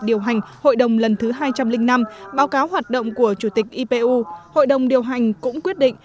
điều hành hội đồng lần thứ hai trăm linh năm báo cáo hoạt động của chủ tịch ipu hội đồng điều hành cũng quyết định